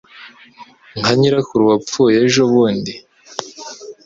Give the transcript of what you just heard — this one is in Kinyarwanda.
nka nyirakuru wapfuye ejo bundi